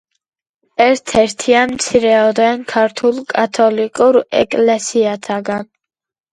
ერთ-ერთია მცირეოდენ ქართულ კათოლიკურ ეკლესიათაგან.